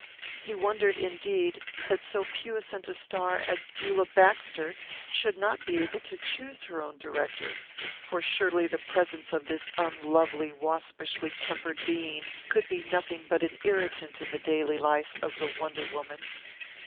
He wondered, indeed, that so puissant a star as Beulah Baxter should not be able to choose her own director, for surely the presence of this unlovely, waspishly tempered being could be nothing but an irritant in the daily life of the wonder woman.